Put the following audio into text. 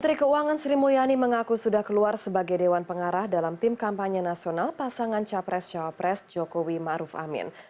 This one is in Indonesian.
menteri keuangan sri mulyani mengaku sudah keluar sebagai dewan pengarah dalam tim kampanye nasional pasangan capres cawapres jokowi ⁇ maruf ⁇ amin